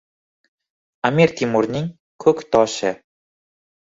Amir Temurning “Ko‘ktosh”i